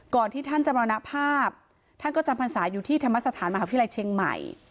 ที่ท่านจะมรณภาพท่านก็จำพรรษาอยู่ที่ธรรมสถานมหาวิทยาลัยเชียงใหม่